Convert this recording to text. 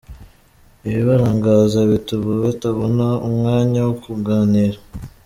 Ibibarangaza bituma batabona umwanya wo kuganira.